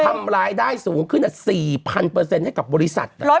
ทำรายได้สูงขึ้น๔๐๐ให้กับบริษัท